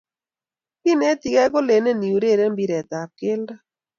kinetigei kolene iureren mpiretab keldo